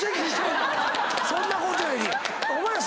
そんなことより。